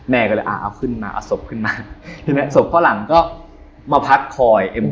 แม่ก็เลยเอาขึ้นมาเอาศพขึ้นมาศพเข้าหลังก็มาพักคอย